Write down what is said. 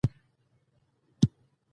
څو ښکلې نجونې راوباسي.